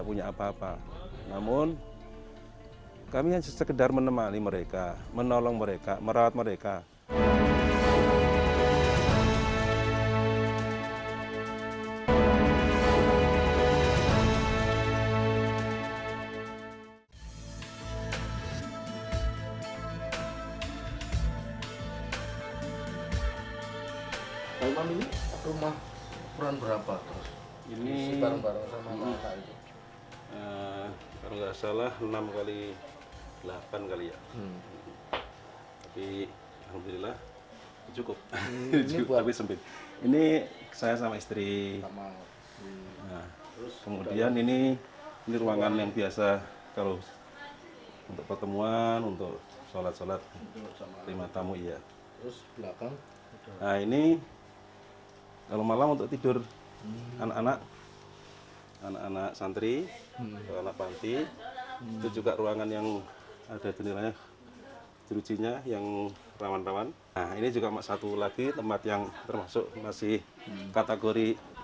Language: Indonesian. kalau nggak ditempatkan seperti ini habur